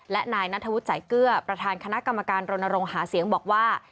และนายนัทธวุฒิสายเกลือประธานคณะกรรมการรณรงค์หาเสียงบอกว่า